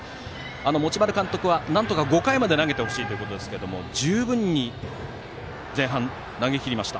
持丸監督はなんとか５回まで投げてほしいということですが十分に前半投げ切りました。